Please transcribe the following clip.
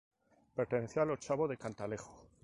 Perteneció al ochavo de Cantalejo.